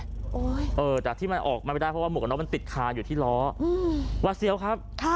เออแต่ที่มันออกมาไม่ได้เพราะว่าหมวกกับน้องมันติดคาอยู่ที่ล้อวัดเสียวครับ